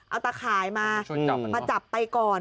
เอาตะข่ายมามาจับไปก่อน